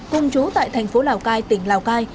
cùng chú tại tp lào cai tỉnh lào cai